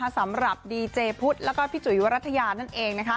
สำหรับดีเจพุทธแล้วก็พี่จุ๋ยวรัฐยานั่นเอง